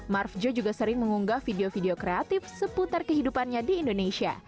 marv joe juga sering mengunggah video video kreatif seputar kehidupannya di indonesia